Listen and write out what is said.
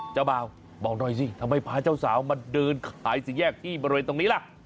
เจ้าบ่าวบอกหน่อยสิทำไมพาเจ้าสาวมาเดินขายสี่แยกที่บริเวณตรงนี้ล่ะ